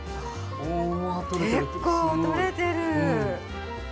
結構取れてる。